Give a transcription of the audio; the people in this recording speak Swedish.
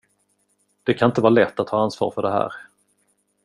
Det kan inte vara lätt att ha ansvar för det här.